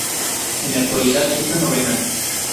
En la actualidad es la novena.